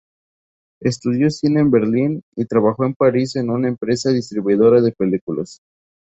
Estudió cine en Berlín y trabajo en París en una empresa distribuidora de películas.